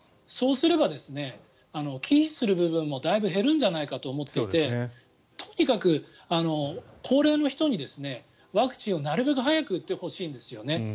そうすれば忌避する部分もだいぶ減るんじゃないかと思っていてとにかく高齢の人にワクチンをなるべく早く打ってほしいんですよね。